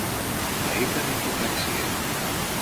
Θα ήταν λιποταξία!